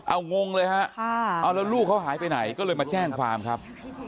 เอางงเลยฮะเอาแล้วลูกเขาหายไปไหนก็เลยมาแจ้งความครับ